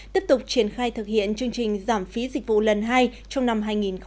tiếp tục triển khai thực hiện chương trình giảm phí dịch vụ lần hai trong năm hai nghìn hai mươi